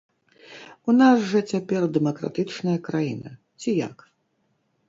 У нас жа цяпер дэмакратычная краіна ці як?